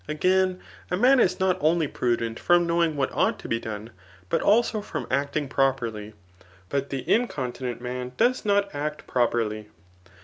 Agsun, a man is not only pru^^ dent from knowing what ought to be done, but also froni acting properly ; but the incontinent man does not act properly.